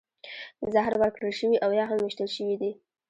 زهر ورکړل شوي او یا هم ویشتل شوي دي